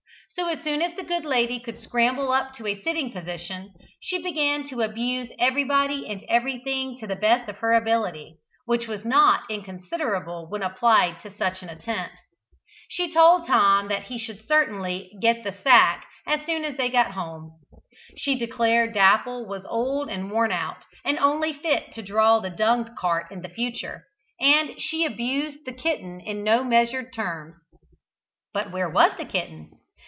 So as soon as the good lady could scramble up into a sitting position she began to abuse everybody and everything to the best of her ability, which was not inconsiderable when applied to such an attempt. She told Tom he should certainly "get the sack" as soon as they got home; she declared Dapple was old and worn out, and only fit to draw the dung cart in future, and she abused the kitten in no measured terms. But where was the kitten?